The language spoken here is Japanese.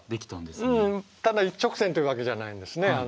ただ一直線というわけじゃないんですね。